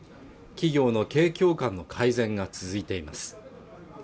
企業の景況感の改善が続いています